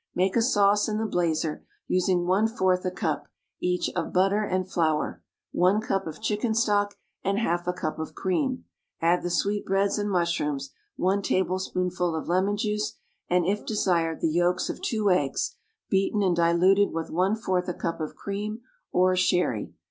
Make a sauce in the blazer, using one fourth a cup, each, of butter and flour, one cup of chicken stock and half a cup of cream; add the sweetbreads and mushrooms, one tablespoonful of lemon juice, and, if desired, the yolks of two eggs, beaten and diluted with one fourth a cup of cream or sherry.